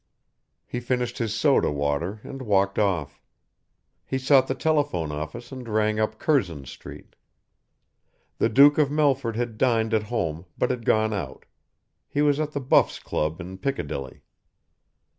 He finished his soda water and walked off. He sought the telephone office and rang up Curzon Street. The Duke of Melford had dined at home but had gone out. He was at the Buffs' Club in Piccadilly.